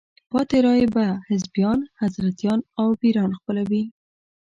پاتې رایې به حزبیان، حضرتیان او پیران خپلوي.